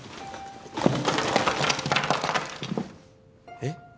えっ？